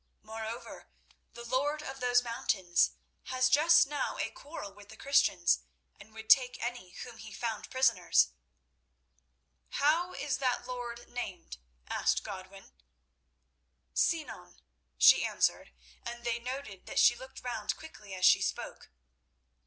Moreover, the lord of those mountains has just now a quarrel with the Christians, and would take any whom he found prisoners." "How is that lord named?" asked Godwin. "Sinan," she answered, and they noted that she looked round quickly as she spoke the word.